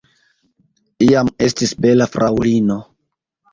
Iam estis bela fraŭlino.